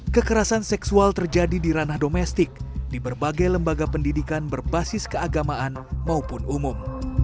kekerasan seksual terjadi di ranah domestik di berbagai lembaga pendidikan berbasis keagamaan maupun umum